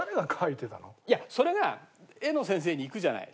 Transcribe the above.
いやそれが絵の先生に行くじゃない。